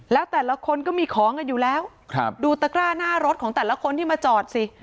แล้วแต่ละคนก็มีของกันอยู่แล้วดูตะกร้าหน้ารถของแต่ละคนที่มาจอดสิ